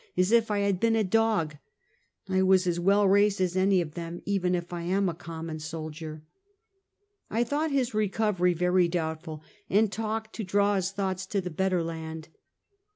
as if I had been a dog. I was as well raised as any of them, even if I am a common soldier." I thought his recovery very doubtfnl, and talked to draw his thoughts to the better land.